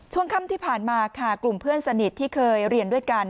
ช่วงค่ำที่ผ่านมาค่ะกลุ่มเพื่อนสนิทที่เคยเรียนด้วยกัน